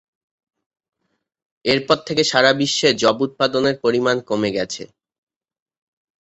এর পর থেকে সারা বিশ্ব যব উৎপাদনের পরিমাণ কমে গেছে।